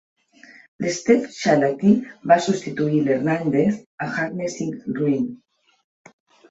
L'Steve Shalaty va substituir a l'Hernández a "Harnessing Ruin".